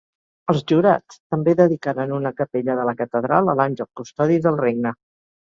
Els jurats també dedicaren una capella de la catedral a l'Àngel Custodi del Regne.